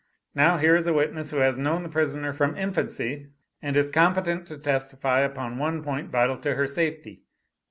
Now here is a witness, who has known the prisoner from infancy, and is competent to testify upon the one point vital to her safety.